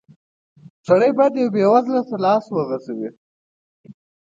سړی بايد يوه بېوزله ته لاس وغزوي.